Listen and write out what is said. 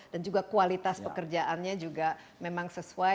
dan juga kualitas pekerjaannya juga memang sesuai